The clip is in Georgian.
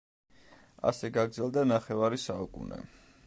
ასე გაგრძელდა ნახევარი საუკუნე.